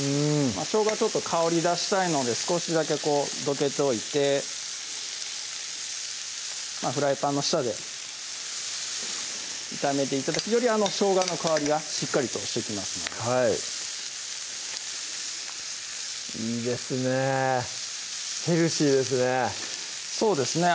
しょうがちょっと香り出したいので少しだけどけておいてフライパンの下で炒めて頂くとよりしょうがの香りがしっかりとしてきますのでいいですねヘルシーですね